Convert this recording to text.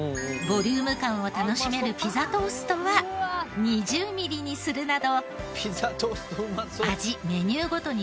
ボリューム感を楽しめるピザトーストは２０ミリにするなど。